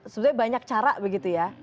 sebenarnya banyak cara begitu ya